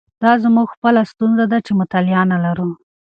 دا زموږ خپله ستونزه ده چې مطالعه نه لرو.